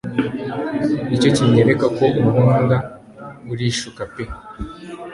nicyo cyinyereka ko unkunda urishuka pe